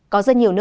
có rất nhiều nơi